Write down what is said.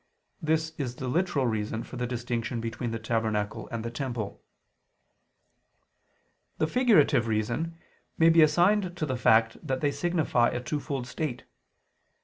This is the literal reason for the distinction between the tabernacle and the temple. The figurative reason may be assigned to the fact that they signify a twofold state.